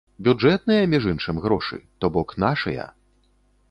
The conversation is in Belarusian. Бюджэтныя, між іншым, грошы, то-бок нашыя.